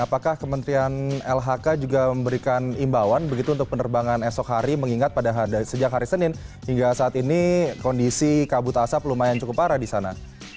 apakah kementerian lhk juga memberikan imbauan begitu untuk penerbangan esok hari mengingat sejak hari senin hingga saat ini kondisi kabut asap lumayan cukup parah di sana